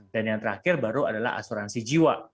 dan yang terakhir baru adalah asuransi jiwa